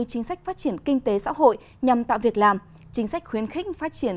chính sách phát triển kinh tế xã hội nhằm tạo việc làm chính sách khuyến khích phát triển